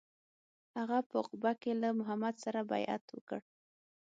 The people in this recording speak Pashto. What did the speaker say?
هغه په عقبه کې له محمد سره بیعت وکړ.